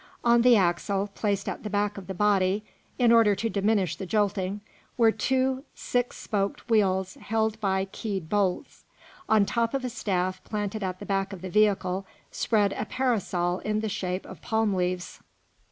On the axle, placed at the back of the body in order to diminish the jolting, were two six spoked wheels held by keyed bolts. On top of a staff planted at the back of the vehicle spread a parasol in the shape of palm leaves.